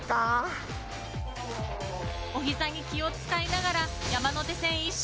お膝に気を使いながら山手線１周。